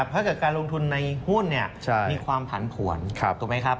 ถ้าเกิดการลงทุนในหุ้นมีความผันผวนถูกไหมครับ